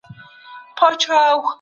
خلک ئې پر ځانونو لازم ګڼي